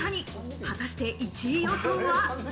果たして１位予想は。